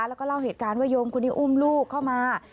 แล้วก็เล่าเหตุการณ์ว่าโยมคนนี้อุ้มลูกเข้ามา